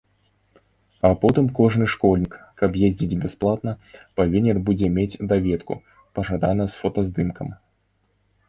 А потым кожны школьнік, каб ездзіць бясплатна, павінен будзе мець даведку, пажадана з фотаздымкам.